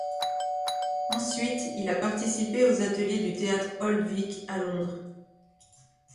Ensuite, il a participé aux ateliers du Théâtre Old Vic à Londres.